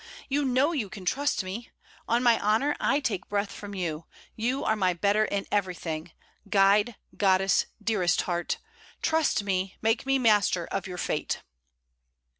You know you can trust me. On my honour, I take breath from you. You are my better in everything guide, goddess, dearest heart! Trust me; make me master of your fate.'